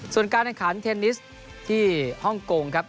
ส่วนการแข่งขันเทนนิสที่ฮ่องกงครับ